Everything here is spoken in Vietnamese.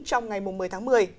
trong ngày một mươi tháng một mươi